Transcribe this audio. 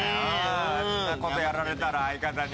あんなことやられたら相方に。